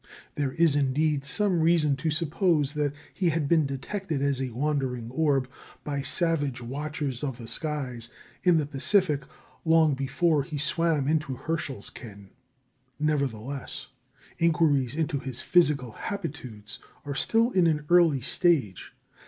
There is indeed, some reason to suppose that he had been detected as a wandering orb by savage "watchers of the skies" in the Pacific long before he swam into Herschel's ken. Nevertheless, inquiries into his physical habitudes are still in an early stage.